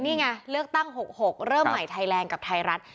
นี่ไงเลือกตั้ง๖๖เริ่มใหม่ไทยแลนด์กับไทยรัฐ